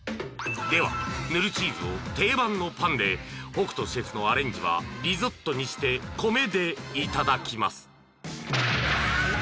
［ではぬるチーズを定番のパンで北斗シェフのアレンジはリゾットにして米で頂きます］